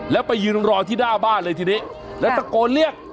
แล้วไปยืนรอที่หน้าบ้านเลยทีนี้แล้วตะโกนเรียก